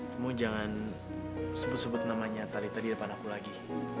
kamu jangan sebut sebut namanya tali tadi di depan aku lagi